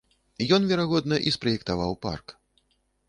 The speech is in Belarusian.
Ён, верагодна, і спраектаваў парк.